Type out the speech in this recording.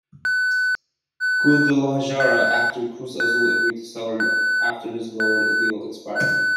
Guadalajara after Cruz Azul agreed to sell him after his loan deal expired.